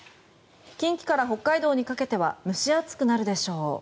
近畿から北海道にかけては蒸し暑くなるでしょう。